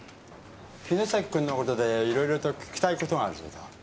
城崎君の事でいろいろと訊きたい事があるそうだ。